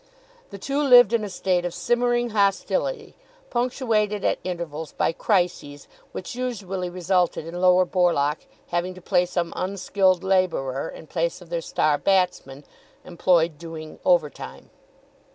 The two lived in a state of simmering hostility, punctuated at intervals by crises, which usually resulted in Lower Borlock having to play some unskilled labourer in place of their star batsman, employed doing "over time."